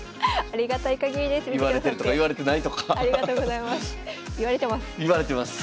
ありがとうございます。